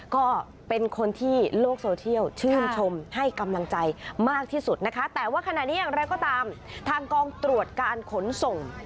ก็เป็นคนที่โลกโซเชียลชื่นชมให้กำลังใจมากที่สุดนะคะแต่ว่าขณะนี้อย่างไรก็ตามทางกองตรวจการขนส่ง